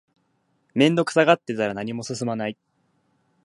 面倒くさがってたら何も進まない